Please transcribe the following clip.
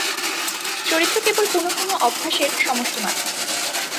চরিত্র কেবল পুনঃপুন অভ্যাসের সমষ্টিমাত্র।